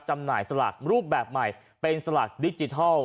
จำหน่ายสลากรูปแบบใหม่เป็นสลากดิจิทัล